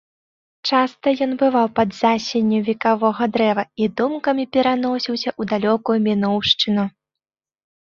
Часта ён бываў пад засенню векавога дрэва і думкамі пераносіўся ў далёкую мінуўшчыну.